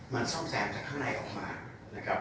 มันซ่อมแซมจากข้างในออกมานะครับ